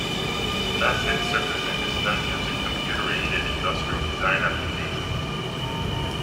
Class A surfacing is done using computer-aided industrial design applications.